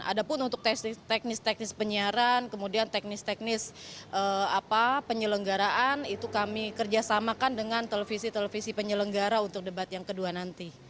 ada pun untuk teknis teknis penyiaran kemudian teknis teknis penyelenggaraan itu kami kerjasamakan dengan televisi televisi penyelenggara untuk debat yang kedua nanti